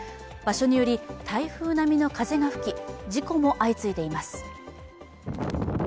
場所により、台風並みの風が吹き、事故も相次いでいます。